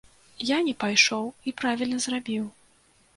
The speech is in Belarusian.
Я не пайшоў, і правільна зрабіў.